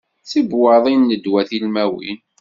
Tibuwaḍin n ddwa tilmawin.